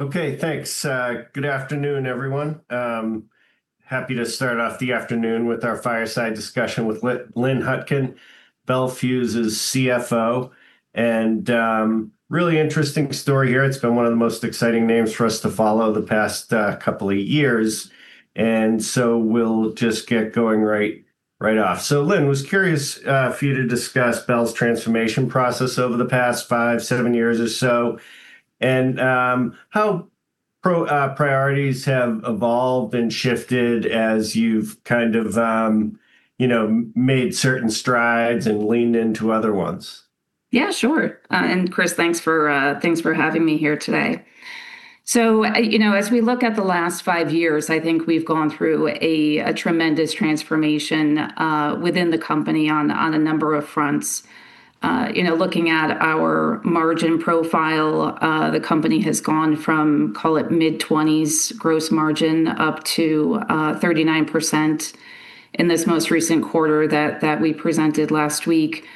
Okay, thanks. Good afternoon, everyone. Happy to start off the afternoon with our fireside discussion with Lynn Hutkin, Bel Fuse's CFO. Really interesting story here. It's been one of the most exciting names for us to follow the past couple of years, we'll just get going right off. Lynn, was curious for you to discuss Bel's transformation process over the past five, seven years or so, how priorities have evolved and shifted as you've kind of, you know, made certain strides and leaned into other ones? Yeah, sure. Chris, thanks for thanks for having me here today. You know, as we look at the last five years, I think we've gone through a tremendous transformation within the company on a number of fronts. You know, looking at our margin profile, the company has gone from, call it, mid-20s gross margin up to 39% in this most recent quarter that we presented last week.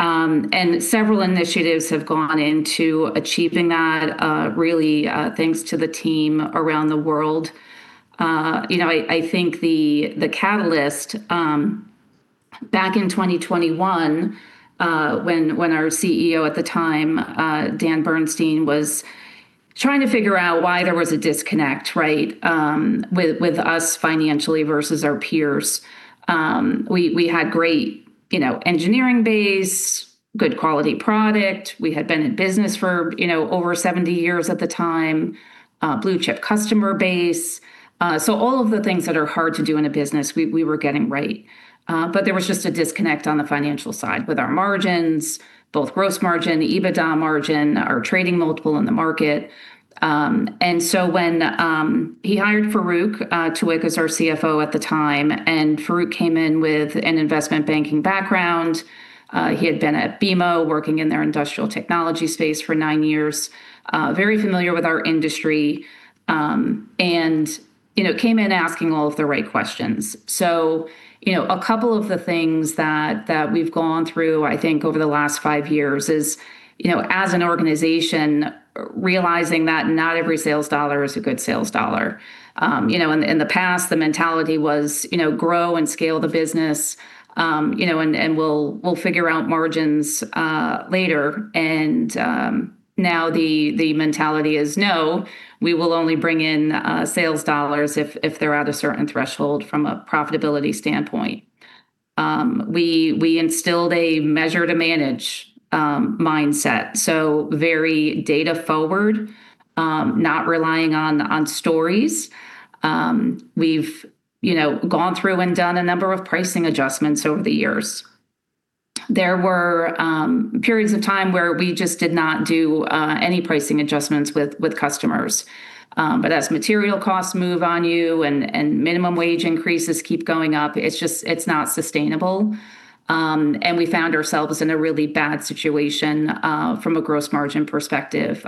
Several initiatives have gone into achieving that, really thanks to the team around the world. You know, I think the catalyst back in 2021, when our CEO at the time, Daniel Bernstein, was trying to figure out why there was a disconnect, right, with us financially versus our peers. We had great, you know, engineering base, good quality product. We had been in business for, you know, over 70 years at the time, blue-chip customer base. All of the things that are hard to do in a business, we were getting right. There was just a disconnect on the financial side with our margins, both gross margin, the EBITDA margin, our trading multiple in the market. When he hired Farouq Tuweiq as our CFO at the time, and Farouq came in with an investment banking background. He had been at BMO working in their industrial technology space for nine years, very familiar with our industry, you know, came in asking all of the right questions. You know, a couple of the things that we've gone through, I think, over the last five years is, you know, as an organization, realizing that not every sales dollar is a good sales dollar. You know, in the past, the mentality was, you know, grow and scale the business, you know, and we'll figure out margins later. Now the mentality is, no, we will only bring in sales dollars if they're at a certain threshold from a profitability standpoint. We instilled a measure-to-manage mindset, so very data-forward, not relying on stories. We've, you know, gone through and done a number of pricing adjustments over the years. There were periods of time where we just did not do any pricing adjustments with customers. As material costs move on you, and minimum wage increases keep going up, it's just, it's not sustainable. We found ourselves in a really bad situation from a gross margin perspective,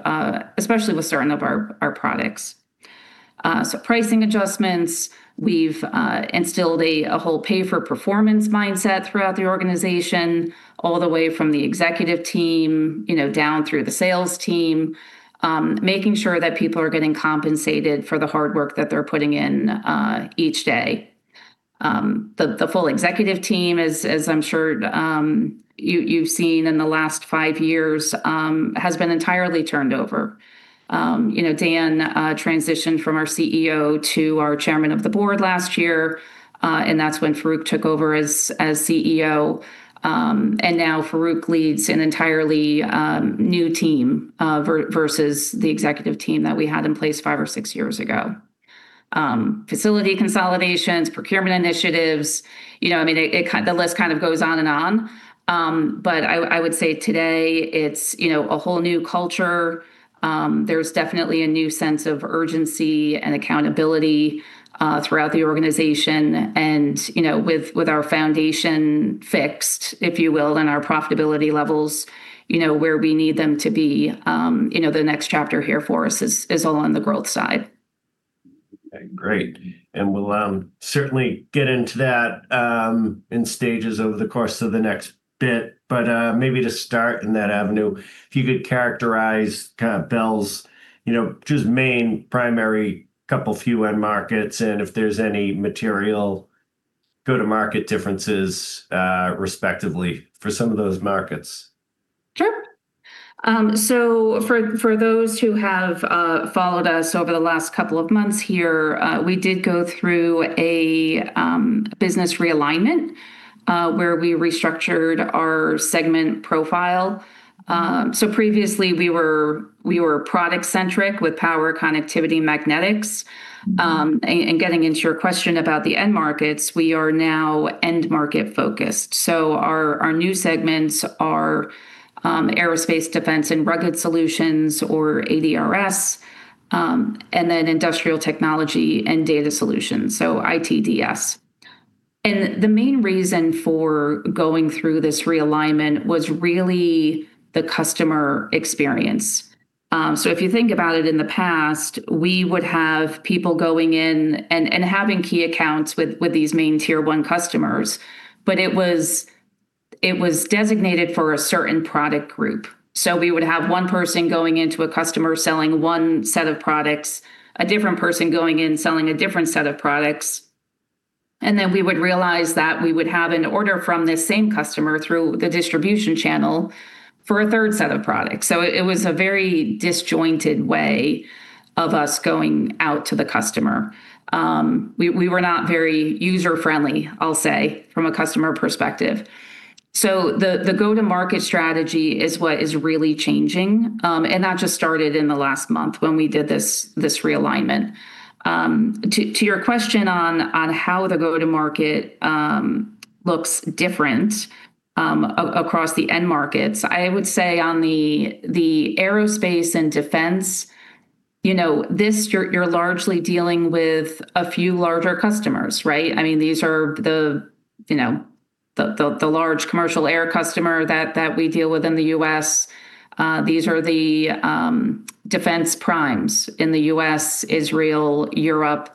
especially with certain of our products. Pricing adjustments, we've instilled a whole pay-for-performance mindset throughout the organization, all the way from the executive team, you know, down through the sales team, making sure that people are getting compensated for the hard work that they're putting in each day. The full executive team, as I'm sure you've seen in the last five years, has been entirely turned over. You know, Dan transitioned from our CEO to our Chairman of the Board last year, and that's when Farouq took over as CEO. Now Farouq leads an entirely new team, versus the executive team that we had in place five or six years ago. Facility consolidations, procurement initiatives, you know, I mean, the list kind of goes on and on. I would say today it's, you know, a whole new culture. There's definitely a new sense of urgency and accountability throughout the organization. You know, with our foundation fixed, if you will, and our profitability levels, you know, where we need them to be, you know, the next chapter here for us is all on the growth side. Okay, great. We'll certainly get into that in stages over the course of the next bit. Maybe to start in that avenue, if you could characterize kind of Bel's, you know, just main primary couple few end markets and if there's any material go-to-market differences, respectively for some of those markets. Sure. For those who have followed us over the last couple of months here, we did go through a business realignment, where we restructured our segment profile. Previously we were product-centric with power connectivity magnetics. Getting into your question about the end markets, we are now end market focused. Our new segments are Aerospace, Defense and Rugged Solutions or ADRS, and Industrial Technology and Data Solutions, ITDS. The main reason for going through this realignment was really the customer experience. If you think about it, in the past, we would have people going in and having key accounts with these main tier one customers. It was designated for a certain product group. We would have one person going into a customer selling one set of products, a different person going in selling a different set of products, and then we would realize that we would have an order from this same customer through the distribution channel for a third set of products. It was a very disjointed way of us going out to the customer. We were not very user-friendly, I'll say, from a customer perspective. The go-to-market strategy is what is really changing, and that just started in the last month when we did this realignment. To your question on how the go-to-market looks different across the end markets, I would say on the aerospace and defense, you know, this you're largely dealing with a few larger customers, right? I mean, these are the, you know, the large commercial air customer that we deal with in the U.S. These are the defense primes in the U.S., Israel, Europe.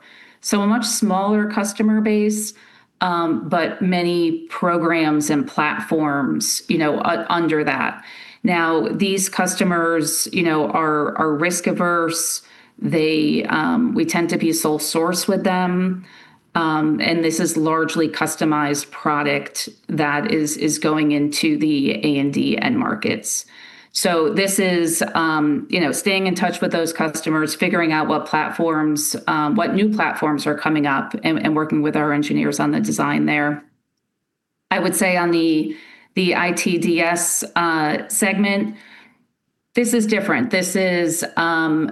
A much smaller customer base, but many programs and platforms, you know, under that. Now, these customers, you know, are risk-averse. We tend to be sole source with them. This is largely customized product that is going into the A&D end markets. This is, you know, staying in touch with those customers, figuring out what platforms, what new platforms are coming up and working with our engineers on the design there. I would say on the IT/DS segment, this is different. This is,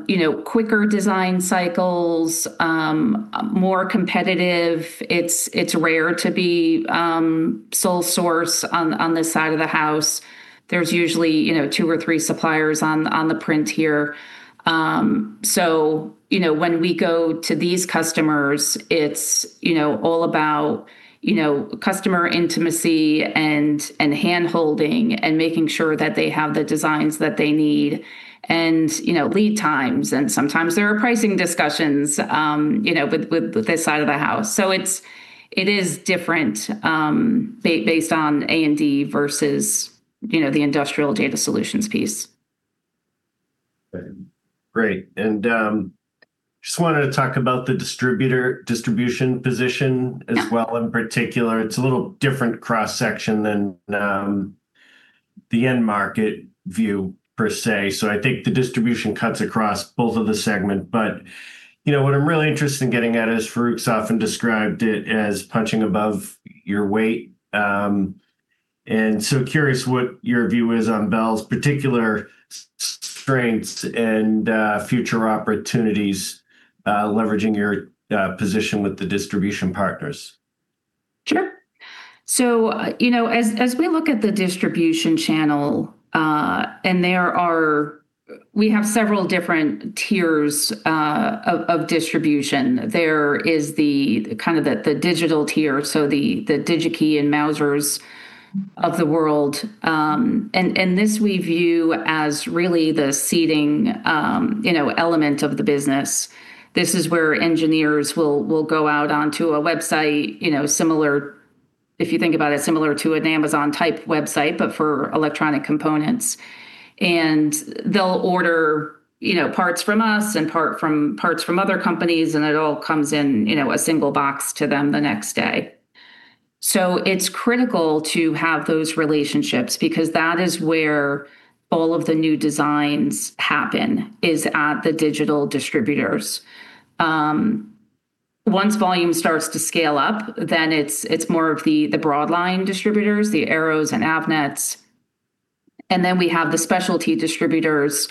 you know, quicker design cycles, more competitive. It's rare to be sole source on this side of the house. There's usually, you know, two or three suppliers on the print here. So, you know, when we go to these customers, it's, you know, all about, you know, customer intimacy and hand-holding and making sure that they have the designs that they need and, you know, lead times, and sometimes there are pricing discussions, you know, with this side of the house. It's different based on A&D versus, you know, the industrial data solutions piece. Great. Just wanted to talk about the distribution position as well. Yeah. In particular, it's a little different cross-section than the end market view per se. I think the distribution cuts across both of the segment. You know, what I'm really interested in getting at is Farouq's often described it as punching above your weight. Curious what your view is on Bel's particular strengths and future opportunities, leveraging your position with the distribution partners. Sure. As we look at the distribution channel, we have several different tiers of distribution. There is the digital tier, so Digi-Key and Mouser of the world. This we view as really the seeding element of the business. This is where engineers will go out onto a website, similar, if you think about it, similar to an Amazon type website, but for electronic components. They'll order parts from us and parts from other companies, and it all comes in a single box to them the next day. It's critical to have those relationships because that is where all of the new designs happen is at the digital distributors. Once volume starts to scale up, it's more of the broad line distributors, the Arrow and Avnet. We have the specialty distributors,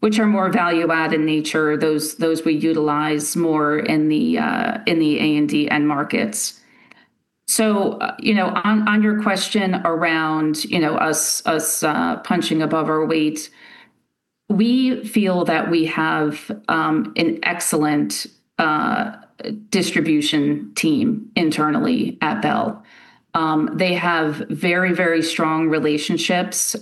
which are more value-add in nature. Those we utilize more in the A&D end markets. You know, on your question around, you know, us punching above our weight, we feel that we have an excellent distribution team internally at Bel. They have very strong relationships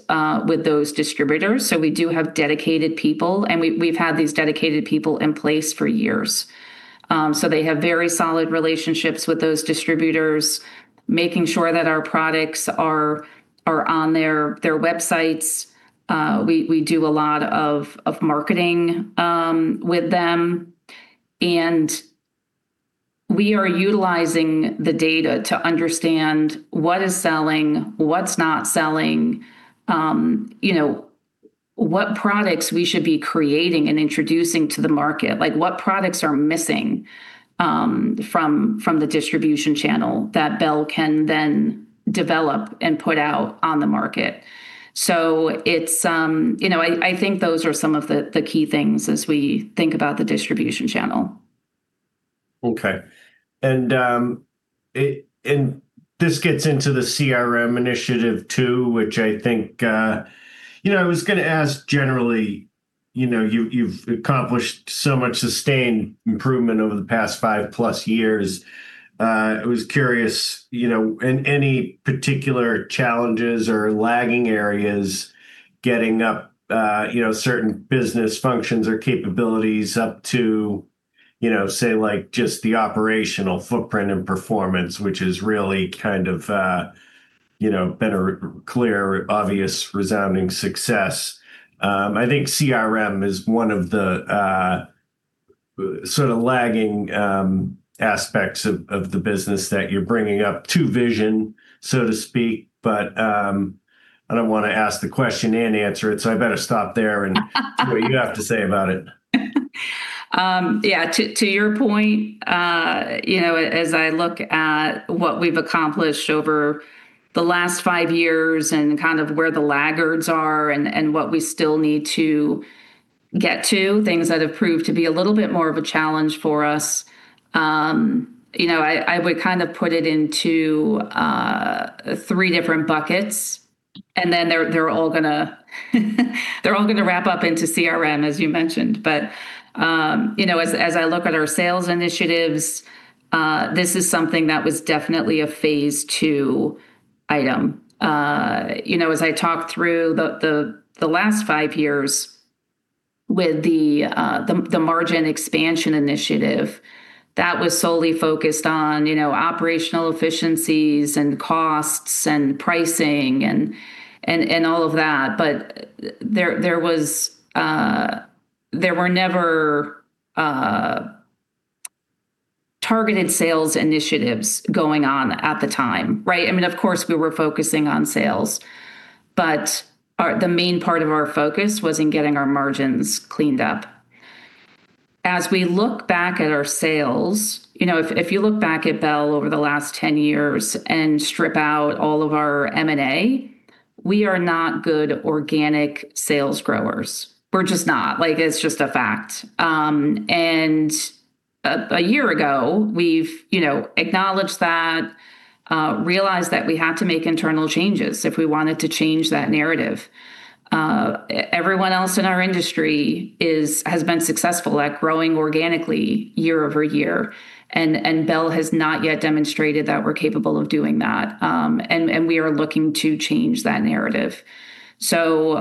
with those distributors. We do have dedicated people, and we've had these dedicated people in place for years. They have very solid relationships with those distributors, making sure that our products are on their websites. We do a lot of marketing with them, and we are utilizing the data to understand what is selling, what's not selling, you know, what products we should be creating and introducing to the market. Like, what products are missing from the distribution channel that Bel can then develop and put out on the market. It's, you know, I think those are some of the key things as we think about the distribution channel. Okay. This gets into the CRM initiative too, which I think, you know, I was gonna ask generally, you know, you've accomplished so much sustained improvement over the past five plus years. I was curious, you know, any particular challenges or lagging areas getting up, you know, certain business functions or capabilities up to, you know, say like just the operational footprint and performance, which is really kind of you know, better, clear, obvious resounding success. I think CRM is one of the sort of lagging aspects of the business that you're bringing up to vision, so to speak. I don't wanna ask the question and answer it, so I better stop there and hear what you have to say about it. Yeah, to your point, you know, as I look at what we've accomplished over the last five years and kind of where the laggards are and what we still need to get to, things that have proved to be a little bit more of a challenge for us, you know, I would kind of put it into three different buckets, and then they're all gonna wrap up into CRM, as you mentioned. You know, as I look at our sales initiatives, this is something that was definitely a phase two item. You know, as I talk through the last five years with the margin expansion initiative, that was solely focused on, you know, operational efficiencies and costs and pricing and all of that. There was never targeted sales initiatives going on at the time, right? I mean, of course, we were focusing on sales, the main part of our focus was in getting our margins cleaned up. As we look back at our sales, you know, if you look back at Bel over the last 10 years and strip out all of our M&A, we are not good organic sales growers. We're just not. Like, it's just a fact. A year ago we've, you know, acknowledged that, realized that we had to make internal changes if we wanted to change that narrative. Everyone else in our industry is, has been successful at growing organically year-over-year, and Bel has not yet demonstrated that we're capable of doing that. And we are looking to change that narrative. A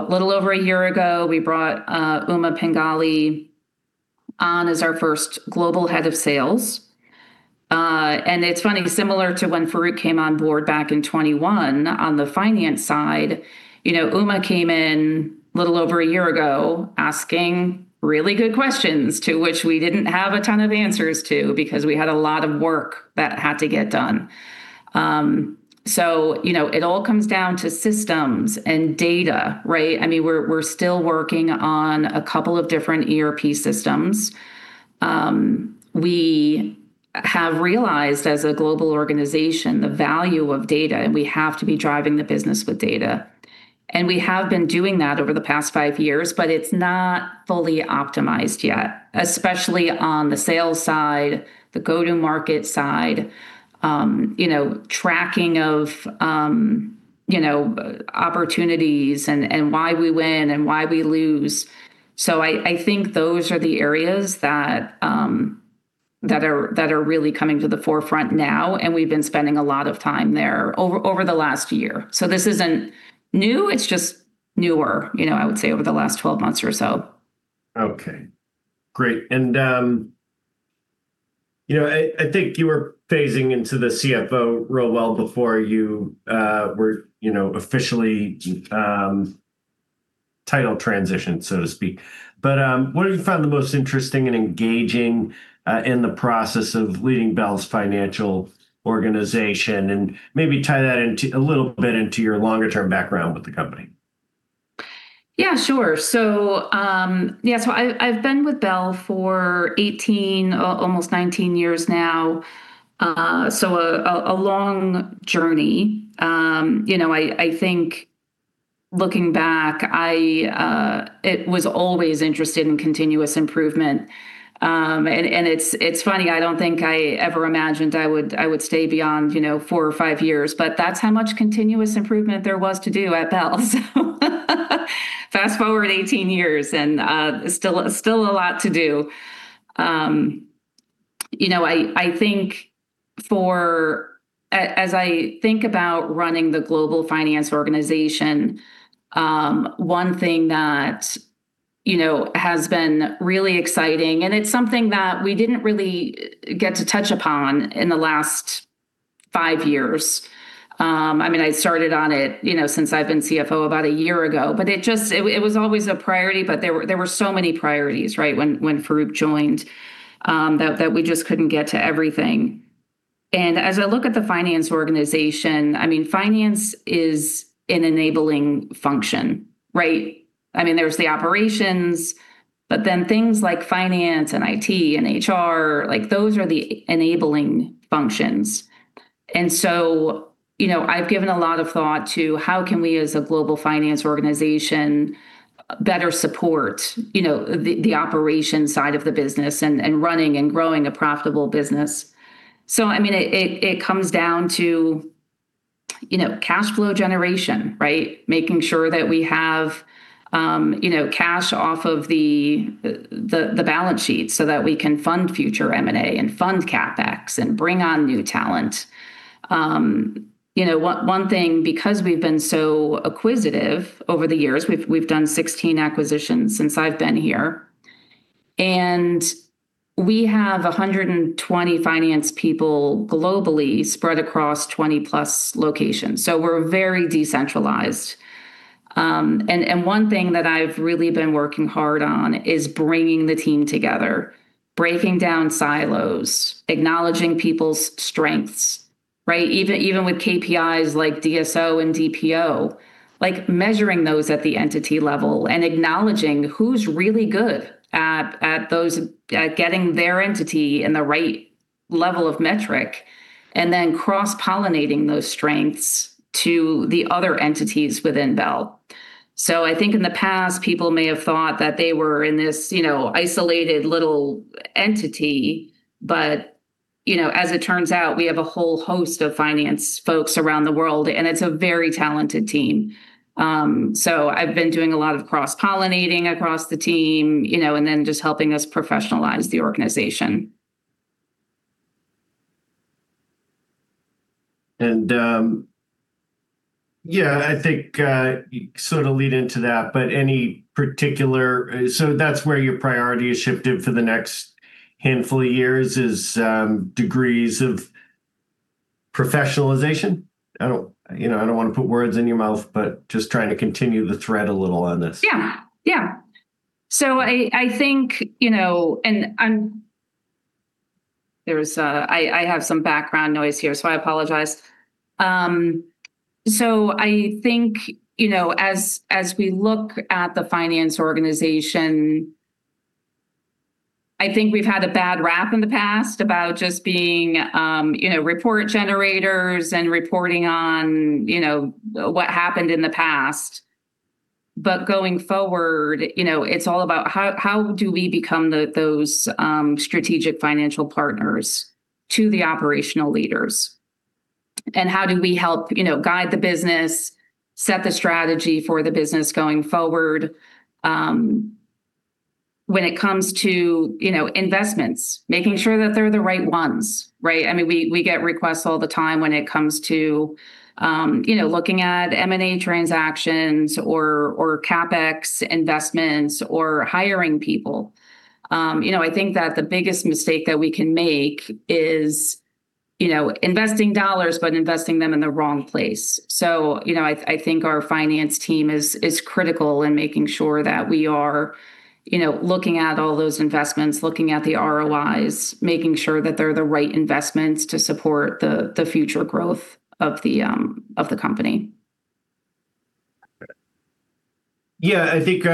little over a year ago, we brought Uma Pingali on as our first Global Head of Sales. And it's funny, similar to when Farouq came on board back in 2021 on the finance side, you know, Uma came in a little over a year ago asking really good questions, to which we didn't have a ton of answers to because we had a lot of work that had to get done. You know, it all comes down to systems and data, right? I mean, we're still working on a couple of different ERP systems. We have realized as a global organization the value of data, and we have to be driving the business with data, and we have been doing that over the past five years, but it's not fully optimized yet, especially on the sales side, the go-to-market side, you know, tracking of, you know, opportunities and why we win and why we lose. I think those are the areas that are, that are really coming to the forefront now, and we've been spending a lot of time there over the last year. This isn't new, it's just newer, you know, I would say over the last 12 months or so. Okay, great. You know, I think you were phasing into the CFO role well before you were, you know, officially title transitioned, so to speak. What have you found the most interesting and engaging in the process of leading Bel's financial organization? Maybe tie that into a little bit into your longer term background with the company. Yeah, sure. Yeah, so I've been with Bel for 18 or almost 19 years now. A long journey. You know, I think looking back, I, it was always interested in continuous improvement. It's funny, I don't think I ever imagined I would stay beyond, you know, four or five years, but that's how much continuous improvement there was to do at Bel. Fast-forward 18 years and still a lot to do. As I think about running the global finance organization, one thing that, you know, has been really exciting, and it's something that we didn't really get to touch upon in the last five years, I mean, I started on it, you know, since I've been CFO about a year ago, but it was always a priority, but there were so many priorities, right, when Farouq joined, that we just couldn't get to everything. As I look at the finance organization, I mean, finance is an enabling function, right? I mean, there's the operations, but then things like finance and IT and HR, like, those are the enabling functions. You know, I've given a lot of thought to how can we as a global finance organization better support, you know, the operations side of the business and running and growing a profitable business. I mean, it comes down to, you know, cash flow generation, right? Making sure that we have, you know, cash off of the balance sheet so that we can fund future M&A and fund CapEx and bring on new talent. You know, one thing because we've been so acquisitive over the years, we've done 16 acquisitions since I've been here, and we have 120 finance people globally spread across 20 plus locations. We're very decentralized. And one thing that I've really been working hard on is bringing the team together, breaking down silos, acknowledging people's strengths, right? Even with KPIs like DSO and DPO, like measuring those at the entity level and acknowledging who's really good at those, at getting their entity in the right level of metric, and then cross-pollinating those strengths to the other entities within Bel. I think in the past people may have thought that they were in this, you know, isolated little entity, as it turns out, we have a whole host of finance folks around the world, and it's a very talented team. I've been doing a lot of cross-pollinating across the team, you know, just helping us professionalize the organization. I think you sort of lead into that. That's where your priority has shifted for the next handful of years is degrees of professionalization? I don't, you know, I don't wanna put words in your mouth, but just trying to continue the thread a little on this. Yeah. Yeah. I think, you know, and there's I have some background noise here, so I apologize. I think, you know, as we look at the finance organization, I think we've had a bad rap in the past about just being, you know, report generators and reporting on, you know, what happened in the past. Going forward, you know, it's all about how do we become the, those, strategic financial partners to the operational leaders, and how do we help, you know, guide the business, set the strategy for the business going forward, when it comes to, you know, investments, making sure that they're the right ones, right? I mean, we get requests all the time when it comes to, you know, looking at M&A transactions or CapEx investments or hiring people. You know, I think that the biggest mistake that we can make is, you know, investing dollars but investing them in the wrong place. You know, I think our finance team is critical in making sure that we are, you know, looking at all those investments, looking at the ROIs, making sure that they're the right investments to support the future growth of the, of the company. Yeah. I think,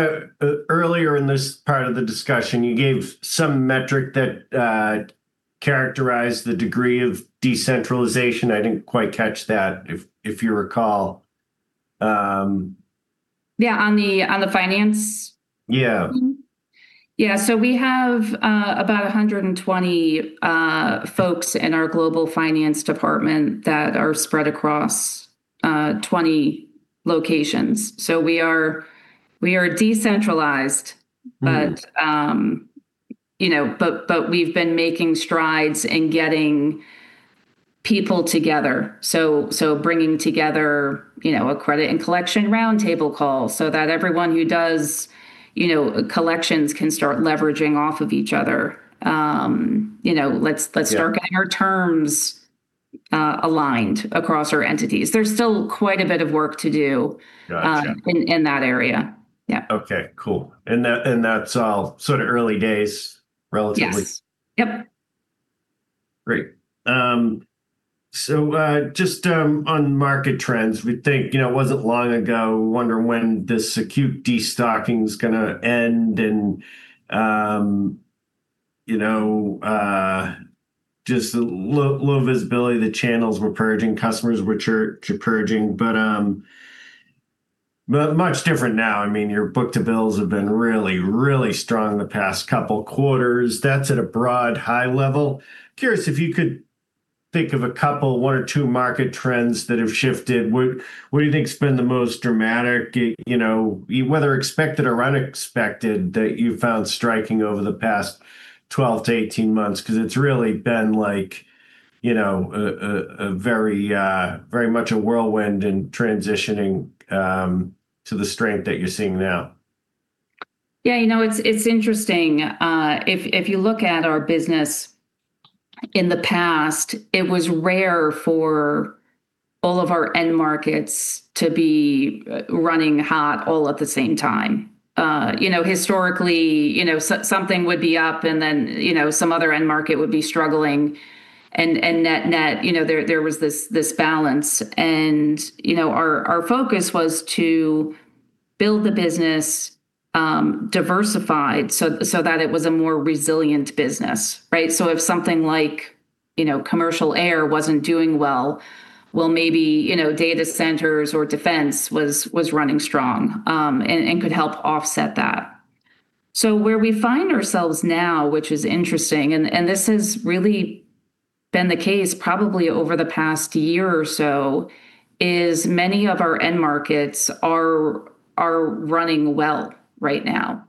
earlier in this part of the discussion, you gave some metric that, characterized the degree of decentralization. I didn't quite catch that, if you recall. Yeah, on the. Yeah. team? Yeah. We have about 120 folks in our global finance department that are spread across 20 locations. We are decentralized. Mm-hmm. You know, but we've been making strides in getting people together, so bringing together, you know, a credit and collection roundtable call so that everyone who does, you know, collections can start leveraging off of each other. Yeah. Let's start getting our terms aligned across our entities. There's still quite a bit of work to do. Gotcha. In that area. Yeah. Okay. Cool. That's all sort of early days relatively. Yes. Yep. Great. On market trends, we think, you know, it wasn't long ago we wonder when this acute destocking's gonna end and, you know, low visibility, the channels were purging, customers were purging. Much different now. I mean, your book to bills have been really strong the past couple quarters. That's at a broad high level. Curious if you could think of a couple, one or two market trends that have shifted. What do you think's been the most dramatic, you know, whether expected or unexpected, that you found striking over the past 12-18 months? Because it's really been like, you know, a very much a whirlwind in transitioning to the strength that you're seeing now. Yeah, you know, it's interesting. If, if you look at our business in the past, it was rare for all of our end markets to be running hot all at the same time. You know, historically, you know, something would be up and then, you know, some other end market would be struggling and net net, you know, there was this balance and, you know, our focus was to build the business, diversified so that it was a more resilient business, right? If something like, you know, commercial air wasn't doing well, well maybe, you know, data centers or defense was running strong and could help offset that. Where we find ourselves now, which is interesting, and this has really been the case probably over the past year or so, is many of our end markets are running well right now.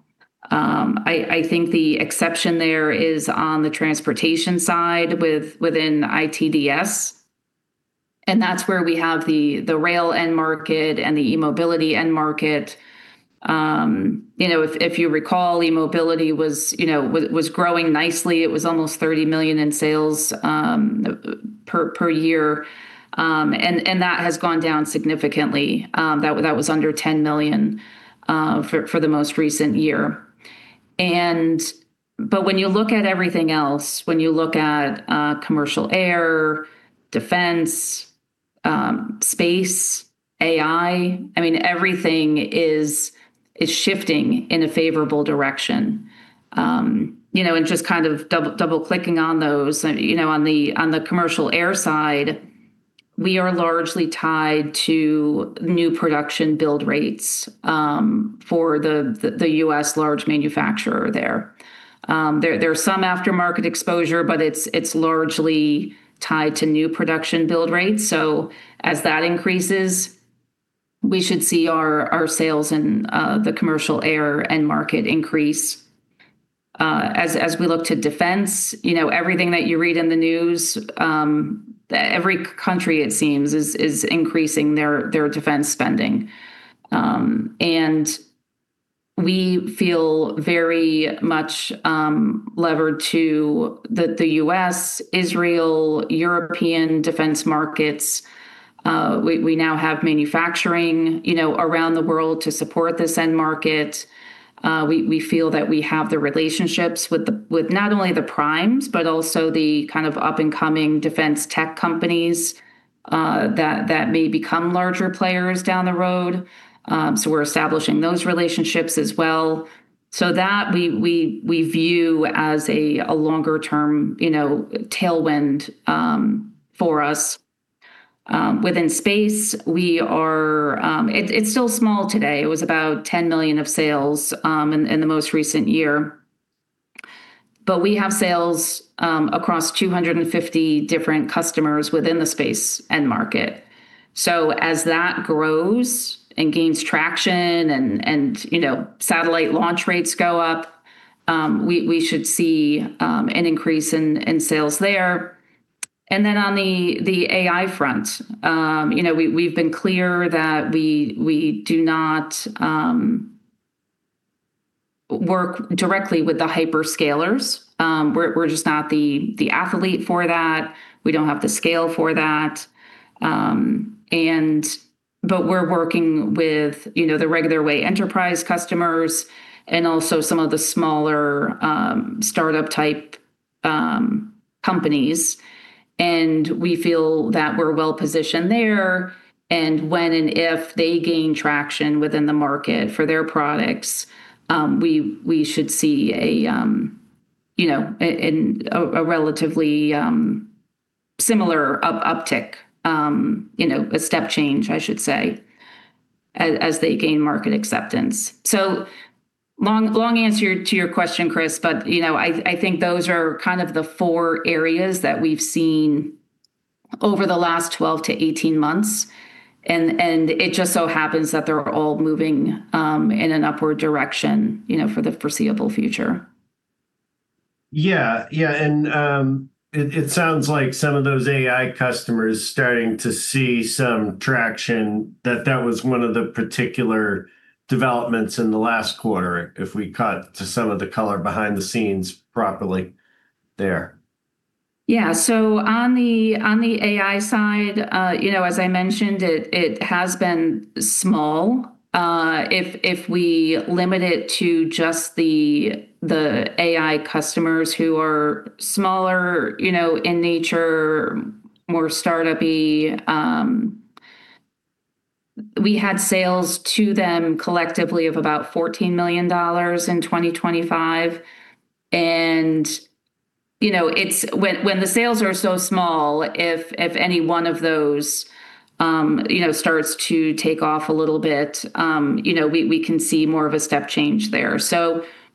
I think the exception there is on the transportation side within ITDS, and that's where we have the rail end market and the eMobility end market. You know, if you recall, eMobility was, you know, growing nicely. It was almost $30 million in sales per year. That has gone down significantly. That was under $10 million for the most recent year. When you look at everything else, when you look at commercial air, Defense, space, AI, I mean, everything is shifting in a favorable direction. You know, just kind of double-clicking on those, on the commercial air side, we are largely tied to new production build rates for the U.S. large manufacturer there. There's some aftermarket exposure, but it's largely tied to new production build rates. As that increases, we should see our sales in the commercial air end market increase. As we look to Defense, you know, everything that you read in the news, every country it seems is increasing their Defense spending. We feel very much levered to the U.S., Israel, European Defense markets. We, we now have manufacturing, you know, around the world to support this end market. We, we feel that we have the relationships with not only the primes, but also the kind of up-and-coming defense tech companies that may become larger players down the road. We're establishing those relationships as well. That we, we view as a longer-term, you know, tailwind for us. Within space, we are, it's still small today. It was about $10 million of sales in the most recent year. We have sales across 250 different customers within the space end market. As that grows and gains traction and, you know, satellite launch rates go up, we should see an increase in sales there. Then on the AI front, you know, we've been clear that we do not work directly with the hyperscalers. We're just not the athlete for that. We don't have the scale for that. But we're working with, you know, the regular Wayfair Professional customers and also some of the smaller, startup-type companies, and we feel that we're well-positioned there. When and if they gain traction within the market for their products, we should see a, you know, a relatively similar uptick, you know, a step change, I should say, as they gain market acceptance. Long, long answer to your question, Chris, but, you know, I think those are kind of the four areas that we've seen over the last 12 to 18 months, and it just so happens that they're all moving in an upward direction, you know, for the foreseeable future. Yeah. Yeah. It sounds like some of those AI customers starting to see some traction, that was one of the particular developments in the last quarter, if we cut to some of the color behind the scenes properly there. Yeah. On the, on the AI side, you know, as I mentioned, it has been small. If we limit it to just the AI customers who are smaller, you know, in nature, more startup-y, we had sales to them collectively of about $14 million in 2025. You know, when the sales are so small, if any one of those, you know, starts to take off a little bit, you know, we can see more of a step change there.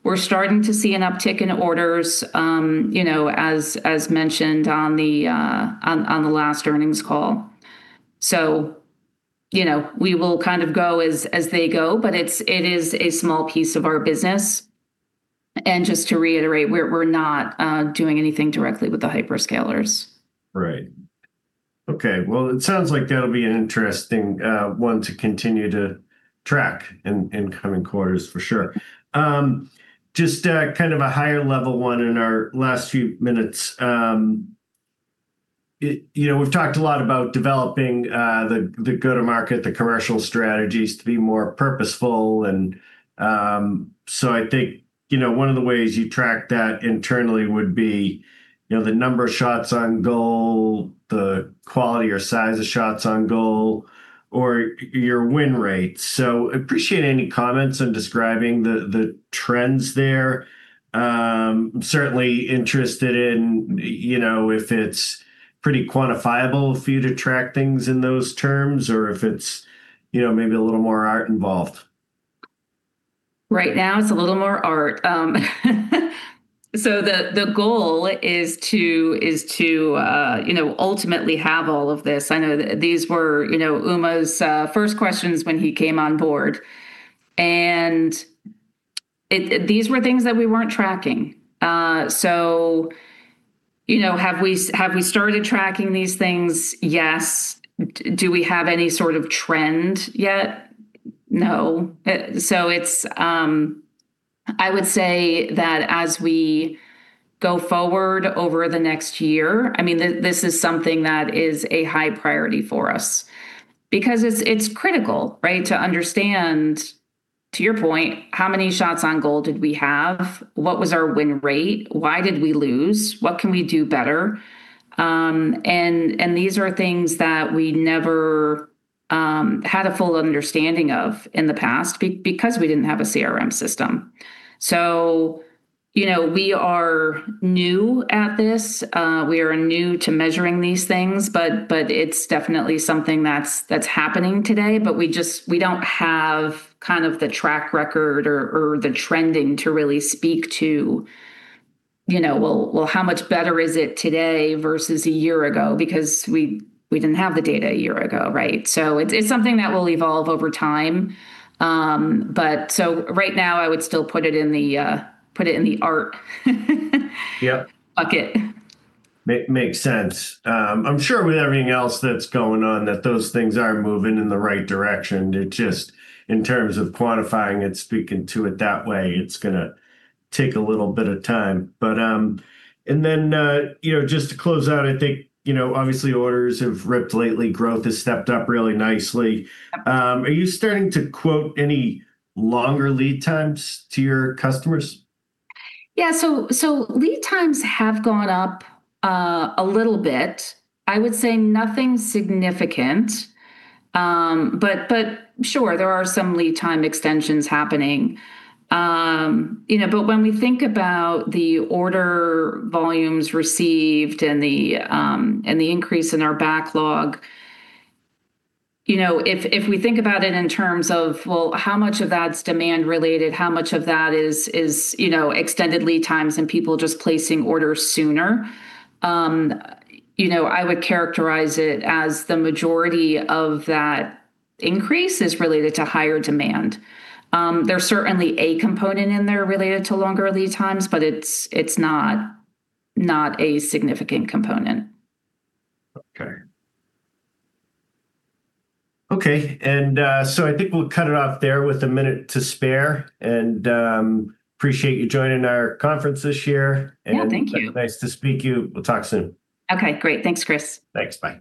We're starting to see an uptick in orders, you know, as mentioned on the last earnings call. You know, we will kind of go as they go, but it is a small piece of our business. Just to reiterate, we're not doing anything directly with the hyperscalers. Right. Okay. Well, it sounds like that'll be an interesting one to continue to track in coming quarters for sure. Just kind of a higher level one in our last few minutes. You know, we've talked a lot about developing the go-to-market, the commercial strategies to be more purposeful and, I think, you know, one of the ways you track that internally would be, you know, the number of shots on goal, the quality or size of shots on goal, or your win rate. Appreciate any comments on describing the trends there. I'm certainly interested in, you know, if it's pretty quantifiable for you to track things in those terms or if it's, you know, maybe a little more art involved. Right now it's a little more art. The goal is to, you know, ultimately have all of this. I know these were, you know, Uma's first questions when he came on board, and these were things that we weren't tracking. You know, have we started tracking these things? Yes. Do we have any sort of trend yet? No. I would say that as we go forward over the next year, I mean, this is something that is a high priority for us because it's critical, right, to understand, to your point, how many shots on goal did we have? What was our win rate? Why did we lose? What can we do better? These are things that we never had a full understanding of in the past because we didn't have a CRM system. You know, we are new at this, we are new to measuring these things, but it's definitely something that's happening today, but we just don't have kind of the track record or the trending to really speak to, you know, well, how much better is it today versus a year ago because we didn't have the data a year ago, right? It's something that will evolve over time. Right now I would still put it in the, put it in the art- Yep. Bucket. Makes sense. I'm sure with everything else that's going on, that those things are moving in the right direction. It just, in terms of quantifying it, speaking to it that way, it's gonna take a little bit of time. You know, just to close out, I think, you know, obviously orders have ripped lately, growth has stepped up really nicely. Are you starting to quote any longer lead times to your customers? Lead times have gone up a little bit. I would say nothing significant. Sure, there are some lead time extensions happening. You know, when we think about the order volumes received and the increase in our backlog, you know, if we think about it in terms of, well, how much of that's demand related, how much of that is, you know, extended lead times and people just placing orders sooner, you know, I would characterize it as the majority of that increase is related to higher demand. There's certainly a component in there related to longer lead times, but it's not a significant component. Okay. I think we'll cut it off there with a minute to spare, appreciate you joining our conference this year. Yeah. Thank you. Nice to speak to you. We'll talk soon. Okay, great. Thanks Chris. Thanks. Bye.